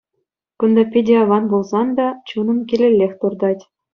Кунта питӗ аван пулсан та, чунӑм килеллех туртать.